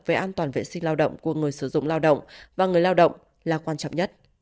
về an toàn vệ sinh lao động của người sử dụng lao động và người lao động là quan trọng nhất